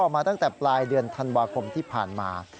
มาตั้งแต่ปลายเดือนธันวาคมที่ผ่านมา